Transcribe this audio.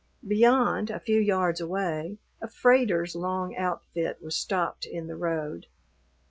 Beyond, a few yards away, a freighter's long outfit was stopped in the road.